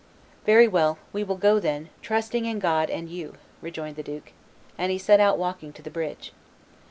"Very well, we will go then, trusting in God and you," re joined the duke; and he set out walking to the bridge.